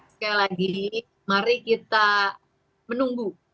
sekali lagi mari kita menunggu